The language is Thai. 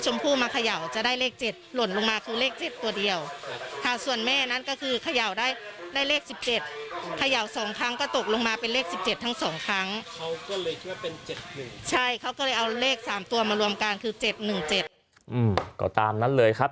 ใช่เขาก็เลยเอาเลขสามตัวมารวมกันคือเจ็ดหนึ่งเจ็ดอืมก็ตามนั้นเลยครับ